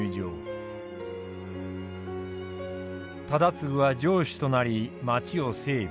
忠次は城主となり街を整備